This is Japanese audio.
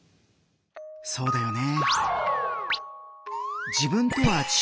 そうだよね。